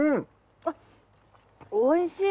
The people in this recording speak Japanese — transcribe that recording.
あっおいしい。